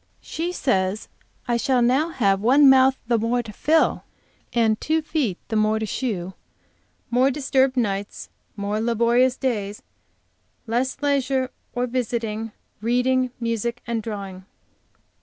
She says I shall now have one mouth the more to fill, and two feet the more to shoe; more disturbed nights, more laborious days, and less leisure for visiting, reading, music, and drawing.